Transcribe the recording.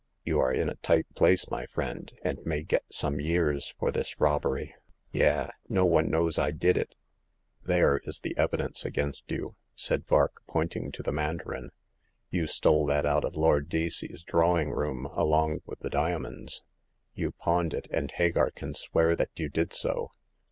You are in a tight place, my friend, and may get some years for this robbery." '' Yah ! No one knows I did it !"" There is the evidence against you," said Vark, pointing to the mandarin. You stole that out of Lord Deacey's drawing room along with the diamonds. You pawned it, and Hagar can swear that you did so.